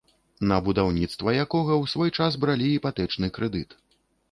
На будаўніцтва якога ў свой час бралі іпатэчны крэдыт.